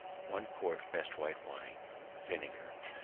1 quart best white wine vinegar.